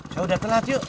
ya udah telat yuk